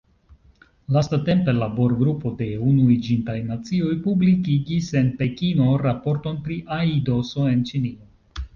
Lastatempe labor-grupo de Unuiĝintaj Nacioj publikigis en Pekino raporton pri aidoso en Ĉinio.